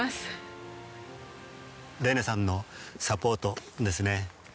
レンネさんのサポートですね。